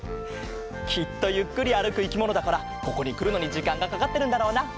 きっとゆっくりあるくいきものだからここにくるのにじかんがかかってるんだろうな。